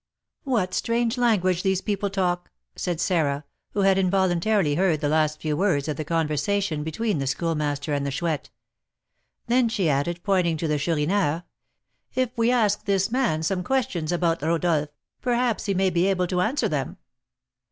"What strange language these people talk!" said Sarah, who had involuntarily heard the last few words of the conversation between the Schoolmaster and the Chouette. Then she added, pointing to the Chourineur, "If we ask this man some questions about Rodolph, perhaps he may be able to answer them."